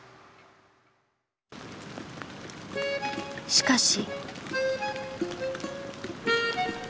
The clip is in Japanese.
しかし。